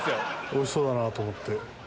おいしそうだなと思って。